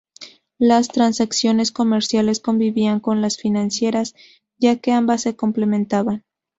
Las transacciones comerciales convivían con las financieras, ya que ambas se complementaban.